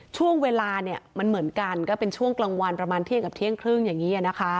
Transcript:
ช่วงเวลามันเหมือนกันก็เป็นช่วงกลางวันประมาณเที่ยงกับเที่ยงครึ่งอย่างนี้นะคะ